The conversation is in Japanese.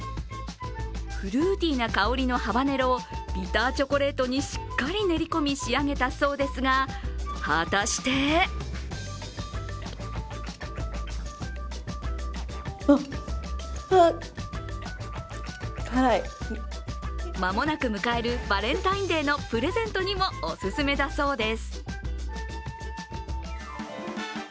フルーティーな香りのハバネロをビターチョコレートにしっかり練り込み仕上げたそうですが、果たしてまもなく迎えるバレンタインデーのプレゼントにもオススメだそうです。